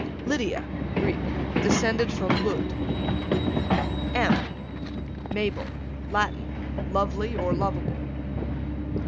Lydia. Greek, descended from Lud. M Mabel, Latin, lovely or lovable.